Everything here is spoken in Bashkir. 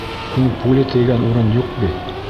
Һуң пуля тейгән урын юҡ бит!